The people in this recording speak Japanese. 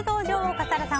笠原さん